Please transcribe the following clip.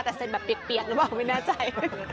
แต่เซ็นแบบเปียกหรือเปล่าไม่แน่ใจ